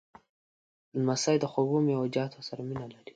لمسی د خوږو میوهجاتو سره مینه لري.